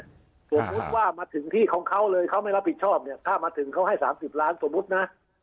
สมมุติว่ามาถึงที่ของเขาเลยเขาไม่รับผิดชอบเนี่ยถ้ามาถึงเขาให้๓๐ล้านสมมุตินะ